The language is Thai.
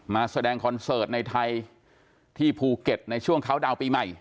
มาแสดงคอนเสิร์ตในไทยที่ภูเก็ตในช่วงเขาดาวน์ปีใหม่